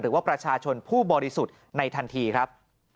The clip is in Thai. หรือว่าประชาชนผู้บริสุทธิ์ในทันทีครับ